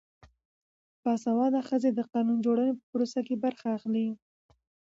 باسواده ښځې د قانون جوړونې په پروسه کې برخه اخلي.